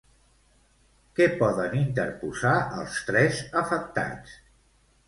Què poden interposar, els tres afectats?